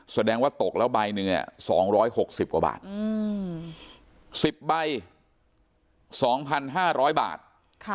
แสดงว่าตกแล้วใบเนื้อสองร้อยหกสิบกว่าบาทอืมสิบใบสองพันห้าร้อยบาทค่ะ